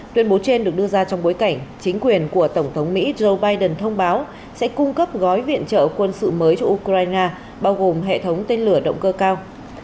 tuyên bố trên được đưa ra trong bối cảnh chính quyền của tổng thống mỹ joe biden thông báo sẽ cung cấp gói viện trợ quân sự mới cho ukraine bao gồm hệ thống tên lửa động cơ cao